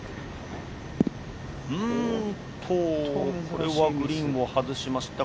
これはグリーンを外しました